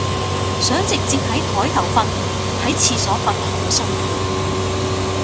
想直接喺枱頭瞓，喺廁所瞓好辛苦